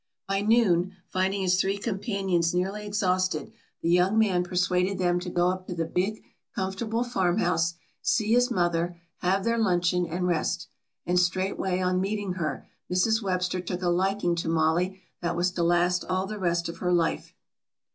By noon, finding his three companions nearly exhausted, the young man persuaded them to go up to the big, comfortable farmhouse, see his mother, have their luncheon and rest. And straightway on meeting her, Mrs. Webster took a liking to Mollie that was to last all the rest of her life.